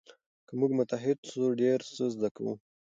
که موږ متحد سو ډېر څه زده کوو.